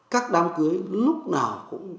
các đám cưới lúc nào cũng